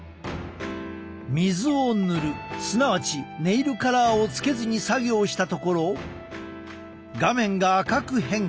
水を塗るすなわちネイルカラーをつけずに作業したところ画面が赤く変化。